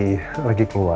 tetap mendampingi dia